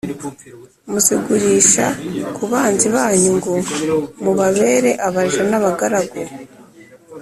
Muzigurisha ku banzi banyu ngo mubabere abaja n’abagaragu,